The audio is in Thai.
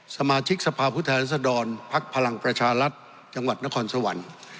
สมาธิกสภาพพุทธแหละสะดอนพักพลังประชารัฐจังหวัดนครสวรรค์